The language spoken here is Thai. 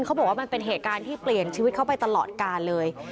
เขาบอกว่ามันเป็นเหตุการณ์ที่เปลี่ยนชีวิตเขาไปตลอดกาลเลย